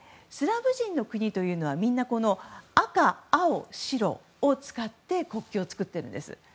スラブ人の国というのはみんな赤、青、白を使って国旗を作っているんです。